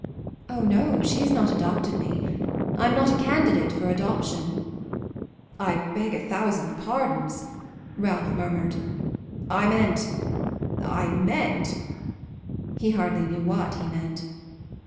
"Oh no; she has not adopted me. I'm not a candidate for adoption." "I beg a thousand pardons," Ralph murmured. "I meant I meant " He hardly knew what he meant.